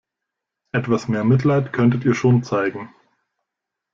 Etwas mehr Mitleid könntet ihr schon zeigen!